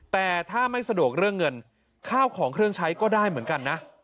แต่ถ้าไม่สะดวกเรื่องเงินข้าวของเครื่องใช้ก็ได้เหมือนกันนะ